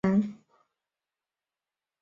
特雷桑当。